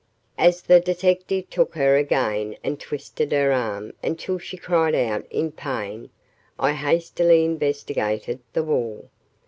As the detective took her again and twisted her arm until she cried out in pain, I hastily investigated the wall.